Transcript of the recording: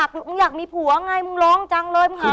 มึงอยากมีผัวไงมึงร้องจังเลยมึงหา